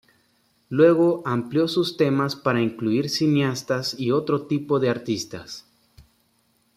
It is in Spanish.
Luego amplió sus temas para incluir cineastas y otro tipo de artistas.